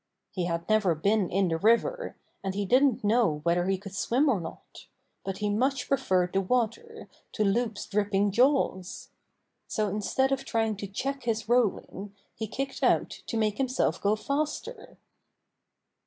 He had never been in the river, and he didn't know whether he could swim or not, but he much preferred the water to Loup's dripping jaws. So instead of trying to check his rolling he kicked out to make himself go faster.